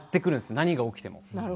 何が起きても。